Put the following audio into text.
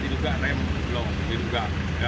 rem belum diduga